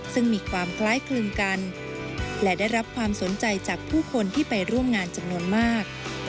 ซึ่งมีความคล้ายคลึงกันและได้รับความสนใจจากผู้คนที่ไปร่วมงานจำนวนมาก